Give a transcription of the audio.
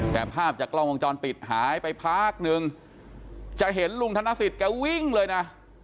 แต่ภาพจากกล้องวงจรปิดหายไปพักนึงจะเห็นลุงธนสิทธิแกวิ่งเลยนะ